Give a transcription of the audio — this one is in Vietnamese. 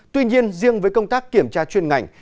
tuy nhiên riêng với công tác kiểm tra chuyên ngành